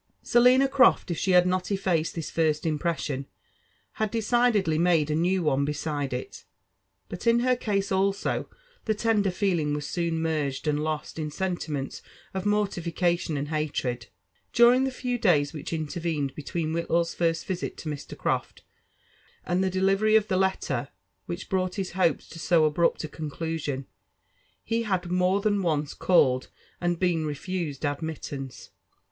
Selina Croft, if she had not effaced this first impression, had decid edly, made a new one beside it ; but in her case also, the tender feelr. ing was soon merged and lost in sentiments of mortification and haired. During the few days which intervened between Whillaw's first visit to Mr. Croft and the delivery of the letter which brought his hopes to so abrupt a conclusion^ he had more than once called, and been re fused admittance.